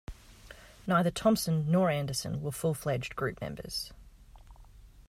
Neither Thompson nor Anderson were full-fledged group members.